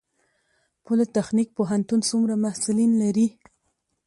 پولي تخنیک پوهنتون څومره محصلین لري؟